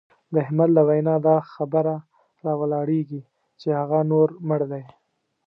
د احمد له وینا دا خبره را ولاړېږي چې هغه نور مړ دی.